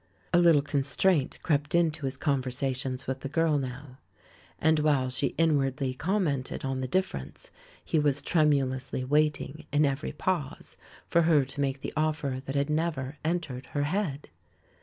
A little constraint crept into his conversations with the girl now; and while she inwardly com mented on the difference, he was tremulously waiting, in every pause, for her to make the of fer that had never entered her head.